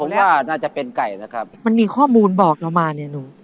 ผมว่าน่าจะเป็นไก่นะครับมันมีข้อมูลบอกเรามาเนี่ยหนู